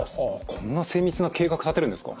こんな精密な計画立てるんですか。